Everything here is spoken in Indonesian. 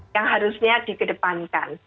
yang harusnya dikedepankan